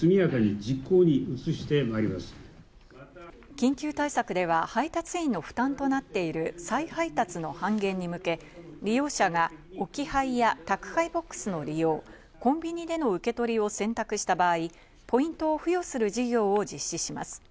緊急対策では配達員の負担となっている再配達の半減に向け、利用者が置き配や宅配ボックスの利用、コンビニでの受け取りを選択した場合、ポイントを付与する事業を実施します。